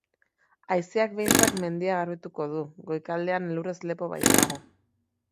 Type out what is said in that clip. Haizeak behintzat mendia garbituko du, goikaldean elurrez lepo baitago.